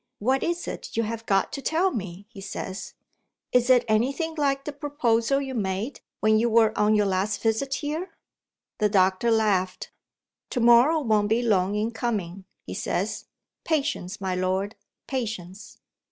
'What is it you have got to tell me?' he says. 'Is it anything like the proposal you made, when you were on your last visit here?' The doctor laughed. 'To morrow won't be long in coming,' he says. 'Patience, my lord patience.'